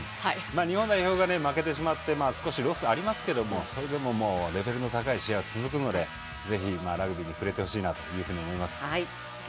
日本代表が負けてしまって少しロスありますけどそれでも、レベルの高い試合が続くので、ぜひラグビーに触れてほしいなというふうに思います。